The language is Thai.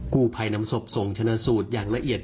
กู้ภัยนำศพส่งชนะสูตรอย่างละเอียด